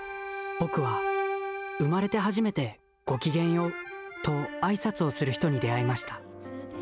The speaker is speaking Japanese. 僕は生まれて初めて、ごきげんようと、あいさつする人に出会いました。